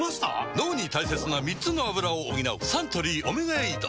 脳に大切な３つのアブラを補うサントリー「オメガエイド」